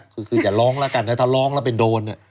คืนก็จะร้องละกันถ้าร้องแล้วเป็นโดน